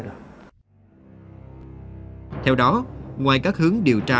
theo đó ngoài các hướng điều tra